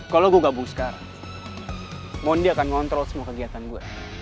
kalau gue gabung sekarang mondi akan ngontrol semua kegiatan gue